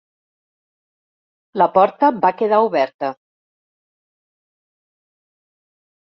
La porta va quedar oberta.